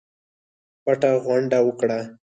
پټه غونډه وکړه.